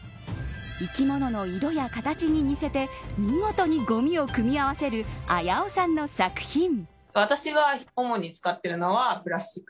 生き物の色や形に似せて見事にごみを組み合わせるあやおさんの作品。